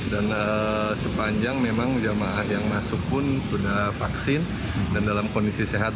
dan sepanjang memang jemaah yang masuk pun sudah vaksin dan dalam kondisi sehat